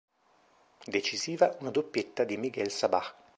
Decisiva una doppietta di Miguel Sabah.